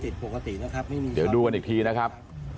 เดี๋ยวดูกันอีกทีนะครับ